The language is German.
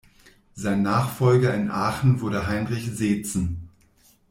Sein Nachfolger in Aachen wurde Heinrich Seetzen.